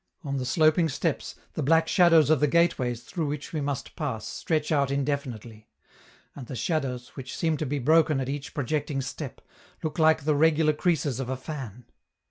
On the sloping steps the black shadows of the gateways through which we must pass stretch out indefinitely; and the shadows, which seem to be broken at each projecting step, look like the regular creases of a fan.